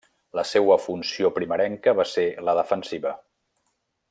La seua funció primerenca va ser la defensiva.